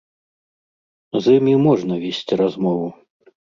З імі можна весці размову.